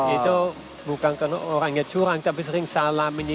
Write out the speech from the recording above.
itu bukan karena orangnya curang tapi sering salaminya